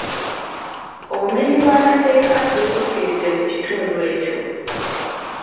Obumenyi bw’amateeka busukkiridde mu kitundu ekyo.